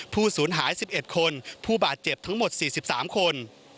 สูญหาย๑๑คนผู้บาดเจ็บทั้งหมด๔๓คน